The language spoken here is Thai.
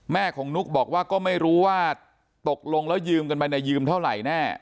แม่ของนุ๊กบอกว่าก็ไม่รู้ว่าตกลงแล้วยืมกันไปเนี่ยยืมเท่าไหร่แน่